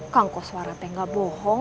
kang kok suara tengah bohong